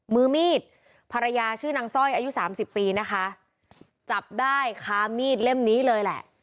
มือมีดภรรยาชื่อนางสร้อยอายุสามสิบปีนะคะจับได้ค้ามีดเล่มนี้เลยแหละ